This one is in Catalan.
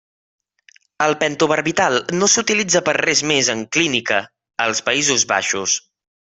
El pentobarbital no s'utilitza per res més en clínica als Països Baixos.